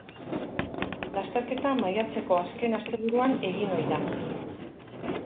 Lasterketa maiatzeko azken asteburuan egin ohi da.